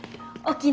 沖縄？